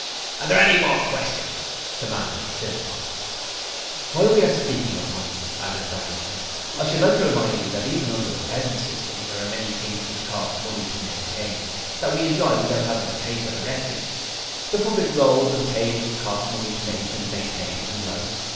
'Are there any more questions?' demanded Philpot. 'While we are speaking of money,' added Barrington, 'I should like to remind you that even under the present system there are many things which cost money to maintain, that we enjoy without having to pay for directly. The public roads and pavements cost money to make and maintain and light.